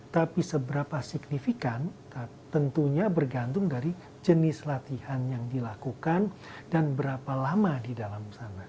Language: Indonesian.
tapi seberapa signifikan tentunya bergantung dari jenis latihan yang dilakukan dan berapa lama di dalam sana